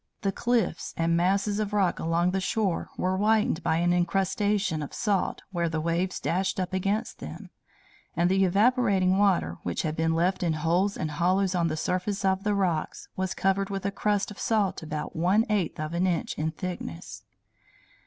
"The cliffs and masses of rock along the shore were whitened by an incrustation of salt where the waves dashed up against them; and the evaporating water, which had been left in holes and hollows on the surface of the rocks, was covered with a crust of salt about one eighth of an inch in thickness.